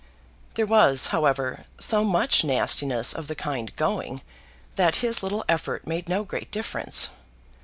There was, however, so much nastiness of the kind going, that his little effort made no great difference.